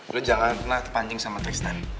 lo jangan pernah terpancing sama tristan